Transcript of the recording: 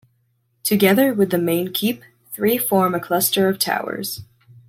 Together with the main keep, three form a cluster of towers.